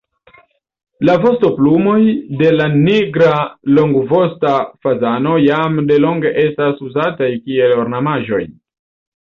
La vostoplumoj de la nigra longvosta fazano jam delonge estas uzataj kiel ornamaĵoj.